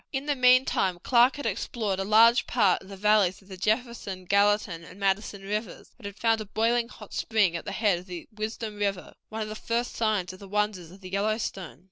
In the meantime Clark had explored a large part of the valleys of the Jefferson, Gallatin, and Madison Rivers, and had found a boiling hot spring at the head of the Wisdom River, one of the first signs of the wonders of the Yellowstone.